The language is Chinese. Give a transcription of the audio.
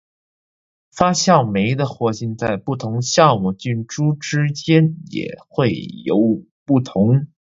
发酵酶的活性在不同的酵母菌株之间也会有不同。